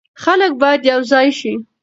خلک باید یو ځای شي.